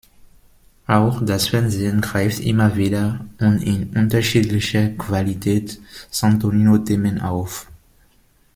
Auch das Fernsehen greift immer wieder und in unterschiedlicher Qualität Santonino-Themen auf.